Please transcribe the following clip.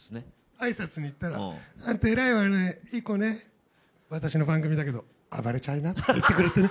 あいさつに行ったら、あんた偉いわね、いい子ね、私の番組だけど、暴れちゃいなって言ってくれて。